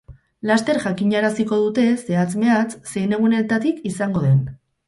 Laster jakinaraziko dute, zehatz-mehatz, zein egunetatik izango den.